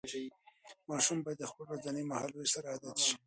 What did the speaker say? ماشوم باید د خپل ورځني مهالوېش سره عادت شي.